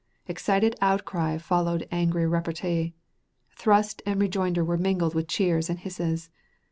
Excited outcry followed angry repartee. Thrust and rejoinder were mingled with cheers and hisses.